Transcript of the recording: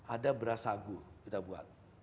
ada beras sagu kita buat